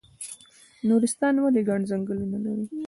نورستان ولې ګڼ ځنګلونه لري؟